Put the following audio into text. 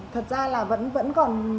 thật ra là vẫn còn